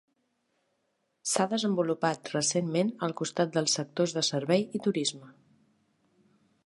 S'ha desenvolupat recentment al costat dels sectors de serveis i turisme.